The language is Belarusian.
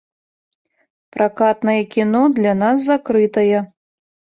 Пракатнае кіно для нас закрытае.